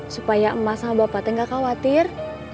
supaya emas sama bapaknya gak khawatir